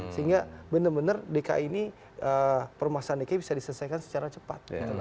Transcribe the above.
sehingga benar benar dki ini permasalahan dki bisa diselesaikan secara cepat